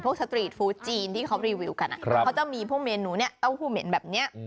สตรีทฟู้ดจีนที่เขารีวิวกันเขาจะมีพวกเมนูเนี่ยเต้าหู้เหม็นแบบนี้